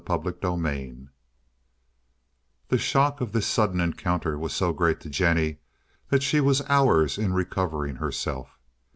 CHAPTER XVII The shock of this sudden encounter was so great to Jennie that she was hours in recovering herself.